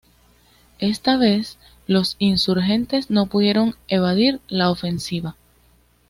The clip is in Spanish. Esta vez los insurgentes no pudieron evadir la ofensiva.